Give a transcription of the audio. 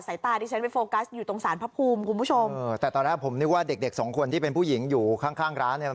ตาดิฉันไปโฟกัสอยู่ตรงสารพระภูมิคุณผู้ชมเออแต่ตอนแรกผมนึกว่าเด็กเด็กสองคนที่เป็นผู้หญิงอยู่ข้างข้างร้านเนี่ย